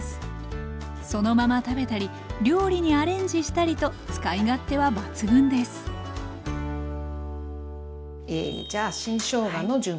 そのまま食べたり料理にアレンジしたりと使い勝手は抜群ですえじゃあ新しょうがの準備をしていきます。